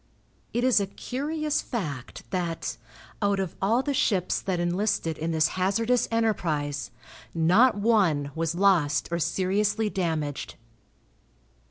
It is a curious fact that, out of all the ships that enlisted in this hazardous enterprise, not one was lost or seriously damaged.